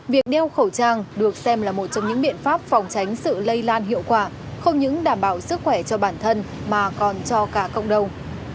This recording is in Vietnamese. việc đeo khẩu trang được xem là một trong những biện pháp phòng tránh sự lây lan hiệu quả không những đảm bảo sức khỏe cho bản thân mà còn cho cả cộng đồng